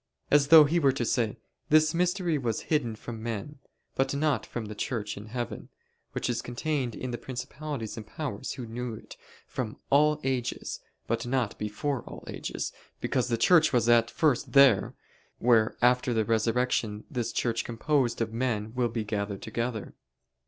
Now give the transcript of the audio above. As though he were to say: This mystery was hidden from men, but not from the Church in heaven, which is contained in the principalities and powers who knew it "from all ages, but not before all ages: because the Church was at first there, where after the resurrection this Church composed of men will be gathered together."